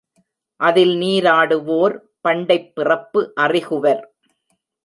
அதில் நீராடுவோர் பண்டைப் பிறப்பு அறிகுவர்.